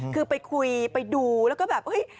คือไปคุยไปดูแล้วก็แบบเฮ้ย